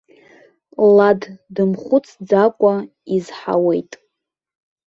Лад дымхәыцӡакәа изҳауеит.